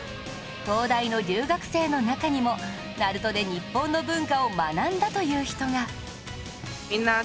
東大の留学生の中にも『ＮＡＲＵＴＯ』で日本の文化を学んだという人が